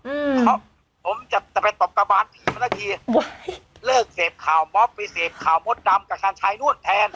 อืมเพราะผมจะไปตอบตะบานสี่นาทีเริ่มเสพข่าวมอบไปเสพข่าวมดดำกับชาญชายนู่นแทน